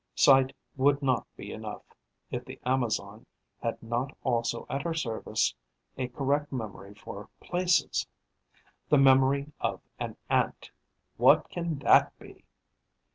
Sight would not be enough, if the Amazon had not also at her service a correct memory for places. The memory of an Ant! What can that be?